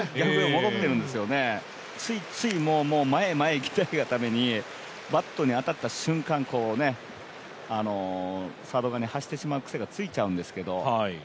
ついつい前、前に行きたいがためにバットに当たった瞬間サード側に走ってしまう癖がついちゃうんですけど。